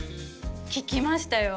聞きましたよ